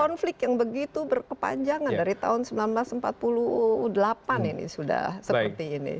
konflik yang begitu berkepanjangan dari tahun seribu sembilan ratus empat puluh delapan ini sudah seperti ini